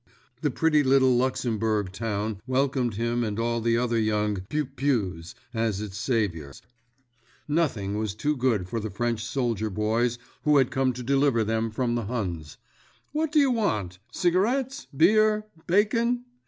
The pretty little Luxemburg town welcomed him and all the other young "piou pious" as its saviors. Nothing was too good for the French soldier boys who had come to deliver them from the Huns. What do you want—cigarettes? beer? bacon?